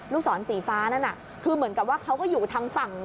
ศรสีฟ้านั่นน่ะคือเหมือนกับว่าเขาก็อยู่ทางฝั่ง